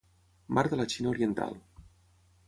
Mar de la Xina Oriental.